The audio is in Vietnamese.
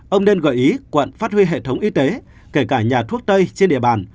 ông nên gợi ý quận phát huy hệ thống y tế kể cả nhà thuốc tây trên địa bàn